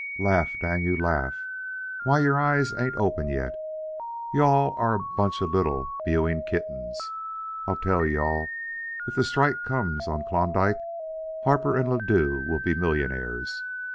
"Laugh, dang you, laugh! Why your eyes ain't open yet. You all are a bunch of little mewing kittens. I tell you all if that strike comes on Klondike, Harper and Ladue will be millionaires.